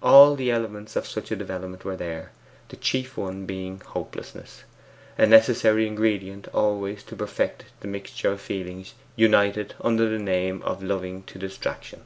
All the elements of such a development were there, the chief one being hopelessness a necessary ingredient always to perfect the mixture of feelings united under the name of loving to distraction.